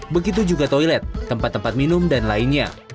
begitu juga toilet tempat tempat minum dan lainnya